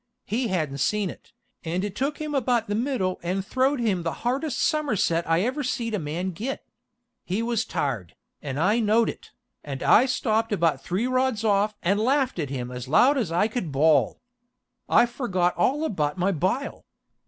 He hadn't seen it, and it took him about the middle and throwed him the hardest summerset I ever seed a man git. He was tired, and I knowd it, and I stopped about three rods off and laffd at him as loud as I could ball. I forgot all about my bile.